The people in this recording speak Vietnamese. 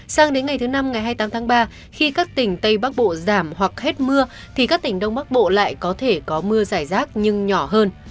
sang đến ngày thứ năm ngày hai mươi tám tháng ba khi các tỉnh tây bắc bộ giảm hoặc hết mưa thì các tỉnh đông bắc bộ lại có thể có mưa giải rác nhưng nhỏ hơn